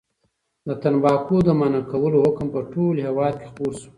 د تنباکو د منع کولو حکم په ټول هېواد کې خپور شو.